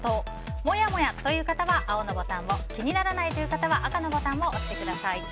モヤモヤという方は青のボタンを気にならないという方は赤のボタンを押してください。